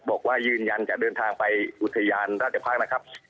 บอกว่ายืนยันจะเดินทางไปอุทยานราชภักษ์นะครับ